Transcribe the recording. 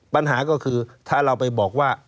ปัญหาก็คือถ้าเราไปบอกว่า